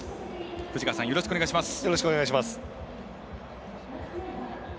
藤川さん、よろしくお願いします。